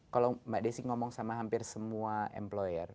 kalau mbak desi ngomong sama hampir semua employer